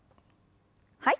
はい。